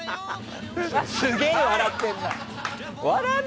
すげえ笑ってんな。